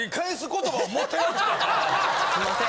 すんません